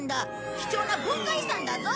貴重な文化遺産だぞ。